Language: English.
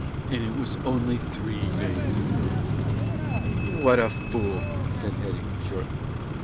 And it was only three days ago." "What a fool!" said Hetty, shortly.